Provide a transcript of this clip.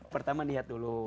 pertama niat dulu